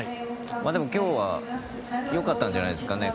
でも今日は良かったんじゃないですかね。